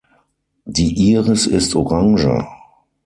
Die Iris ist orange.